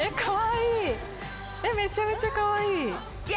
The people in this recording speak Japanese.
めちゃめちゃかわいい！